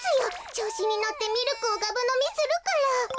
ちょうしにのってミルクをがぶのみするから。